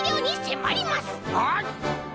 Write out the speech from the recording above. はい！